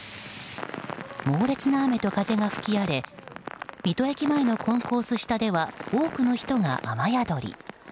猛烈な雨と風が吹き荒れ水戸駅前のコンコース下では多くの人が雨宿り。